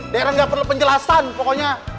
darren gak perlu penjelasan pokoknya